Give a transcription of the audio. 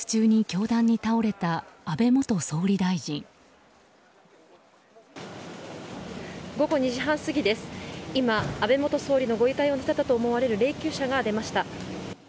今、安倍元総理のご遺体を乗せたとみられる霊柩車が出ました。